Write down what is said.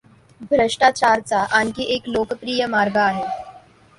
भ्रष्टाचाराचा आणखी एक लोकप्रिय मार्ग आहे.